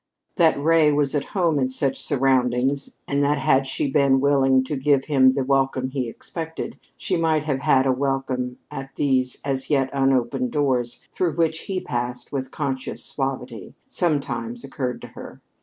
That Ray was at home in such surroundings, and that, had she been willing to give him the welcome he expected, she might have had a welcome at these as yet unopened doors through which he passed with conscious suavity, sometimes occurred to her.